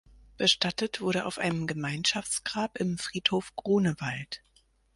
Bestattet wurde auf einem Gemeinschaftsgrab im Friedhof Grunewald.